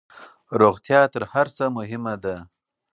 روغتيا تر هرڅه مهمه ده